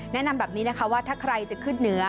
แนะนำแบบนี้นะคะว่าถ้าใครจะขึ้นเหนือ